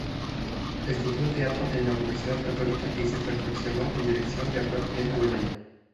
Estudió Teatro en la Universidad Católica y se perfeccionó en Dirección Teatral en Alemania.